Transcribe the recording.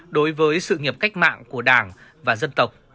đối với sự nghiệp cách mạng của đảng và dân tộc